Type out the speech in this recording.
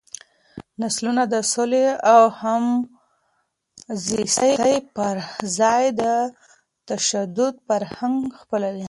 نسلونه د سولې او همزیستۍ پر ځای د تشدد فرهنګ خپلوي.